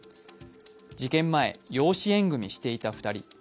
事件前、養子縁組していた２人。